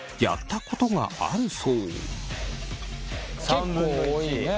結構多いね。